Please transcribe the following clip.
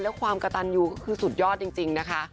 และความกระตันยูก็คือสุดยอดจริงนะคะ